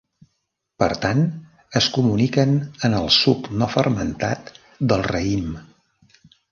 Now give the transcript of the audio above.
Per tant, es comuniquen en el suc no fermentat del raïm.